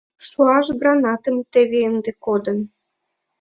Шуаш гранатым теве ынде кодын.